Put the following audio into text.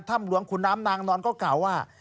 ท่ามหลวงคุณน้ำน้ำน้อนก็กล่าวว่า